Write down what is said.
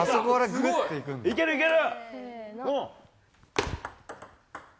いける、いける。